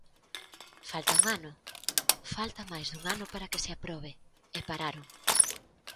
Falta un ano, falta máis dun ano para que se aprobe, e pararon.